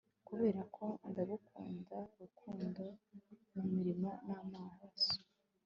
Kuberako ndagukunda Rukundo mumuriro namaraso